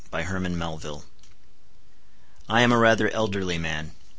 by Herman Melville I am a rather elderly man.